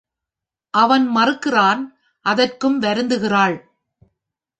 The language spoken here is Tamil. அவன் மறுக்கிறான், அதற்கும் வருந்துகிறாள்.